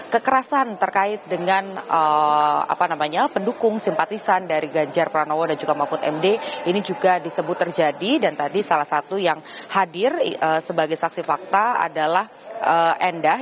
kekerasan terkait dengan pendukung simpatisan dari ganjar pranowo dan juga mahfud md ini juga disebut terjadi dan tadi salah satu yang hadir sebagai saksi fakta adalah endah